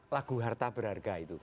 lagu harta berharga itu